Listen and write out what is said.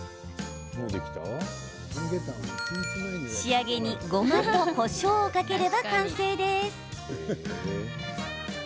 仕上げにごまとこしょうをかければ完成です。